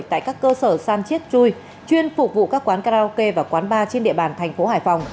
tại các cơ sở san chiết chui chuyên phục vụ các quán karaoke và quán bar trên địa bàn thành phố hải phòng